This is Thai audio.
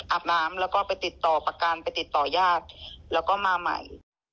อาบน้ำแล้วก็ไปติดต่อประกันไปติดต่อญาติแล้วก็มาใหม่